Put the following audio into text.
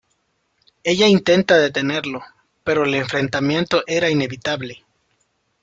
Ella intenta detenerlo pero el enfrentamiento era inevitable.